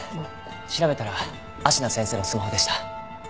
調べたら芦名先生のスマホでした。